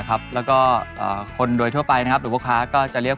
ทำไมเป็นโบโซว่ปิดพลางหน้าของตัวเอง